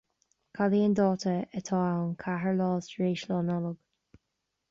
Cad é an dáta atá ann ceathair lá tar éis Lá Nollag?